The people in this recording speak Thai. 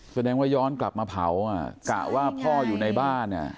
แสดงว่าย้อนกลับมาเผาอ่ะกะว่าพ่ออยู่ในบ้าน